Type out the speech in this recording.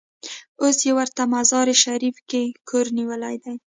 اوس یې ورته مزار شریف کې کور نیولی دی.